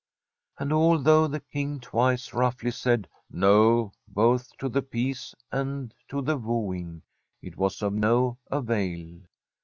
And although the King twice roughly said * No ' both to the peace and to the wooing, it was of no avail.